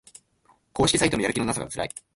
公式サイトのやる気のなさがつらい